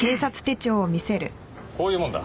こういうもんだ。